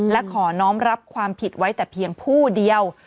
และขอน้องรับความผิดไว้แต่เพียงผู้เดียว